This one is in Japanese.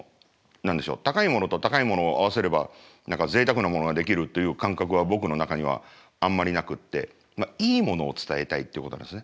高いものと高いものを合わせればぜいたくなものが出来るという感覚は僕の中にはあんまりなくっていいものを伝えたいってことなんですね。